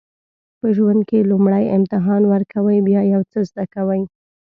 په ژوند کې لومړی امتحان ورکوئ بیا یو څه زده کوئ.